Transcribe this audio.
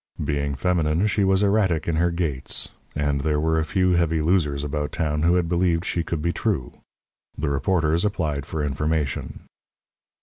Being feminine, she was erratic in her gaits, and there were a few heavy losers about town who had believed she could be true. The reporters applied for information.